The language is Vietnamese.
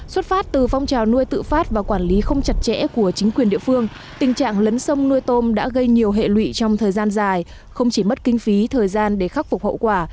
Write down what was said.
xuất phát từ phong trào nuôi tự phát và quản lý không chặt chẽ của chính quyền địa phương tình trạng lấn sông nuôi tôm đã gây nhiều hệ lụy trong thời gian dài không chỉ mất kinh phí thời gian để khắc phục hậu quả